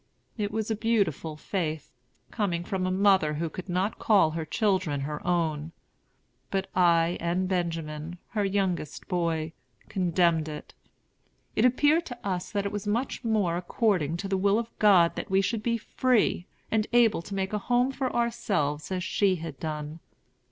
It was a beautiful faith, coming from a mother who could not call her children her own. But I and Benjamin, her youngest boy, condemned it. It appeared to us that it was much more according to the will of God that we should be free, and able to make a home for ourselves, as she had done.